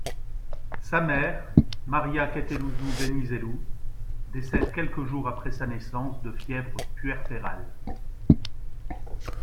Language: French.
Sa mère, Maria Katelouzou Vénizélou, décède quelques jours après sa naissance de fièvre puerpérale.